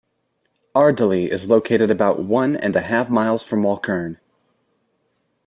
Ardeley is located about one and a half miles from Walkern.